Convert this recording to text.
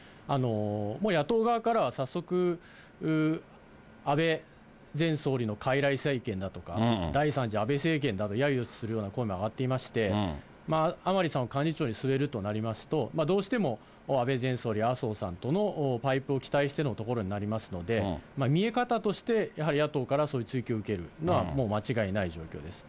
もう野党側からは早速、安倍前総理の傀儡政権だとか、第３次安倍政権だとやゆするような声も上がっていまして、甘利さんを幹事長に据えるとなりますと、どうしても安倍前総理、麻生さんとのパイプを期待してのところになりますので、見え方としてやはり野党からそういう追及を受けるのは間違いない状況です。